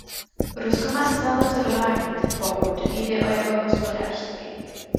Rusko má stále co dohánět, pokud jde o jeho hospodářství.